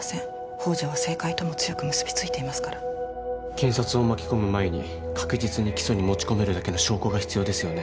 宝条は政界とも強く結びついていますから検察を巻き込む前に確実に起訴に持ち込めるだけの証拠が必要ですよね